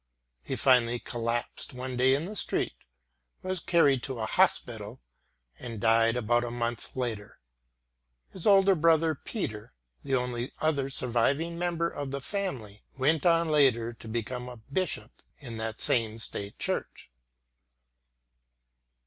He finally collapsed one day in the street, was carried to a hospital, and died about a month later. His older brother Peter, the only other surviving member of the family, went on later to become a bishop in that same state church.